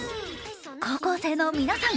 高校生の皆さん